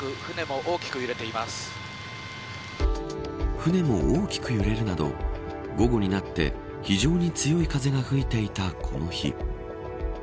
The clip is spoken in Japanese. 船も大きく揺れるなど午後になって非常に強い風が吹いていたこの日。